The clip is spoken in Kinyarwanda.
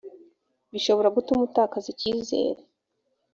bishobora gutuma utakaza icyizere